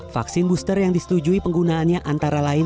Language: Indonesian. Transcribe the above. vaksin booster yang disetujui penggunaannya antara lain